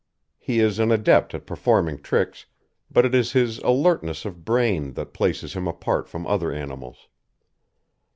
He is an adept at performing tricks, but it is his alertness of brain that places him apart from other animals.